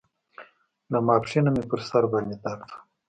له ماسپښينه مې پر سر باندې درد و.